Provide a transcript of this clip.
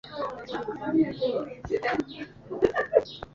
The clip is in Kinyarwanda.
bakamwambura imyambaro ye no kuyirwanira,